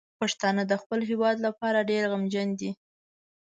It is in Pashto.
پښتانه د خپل هیواد لپاره ډیر غمجن دي.